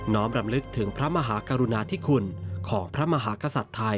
รำลึกถึงพระมหากรุณาธิคุณของพระมหากษัตริย์ไทย